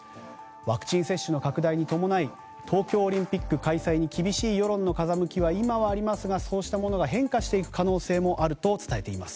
ワクチン接種の拡大に伴い東京オリンピック開催に厳しい世論の風向きは今はありますが、そうしたものが変化する可能性があるとあると伝えています。